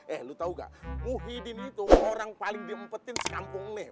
eh lu tau gak muhyiddin itu orang paling diempetin sekampung nih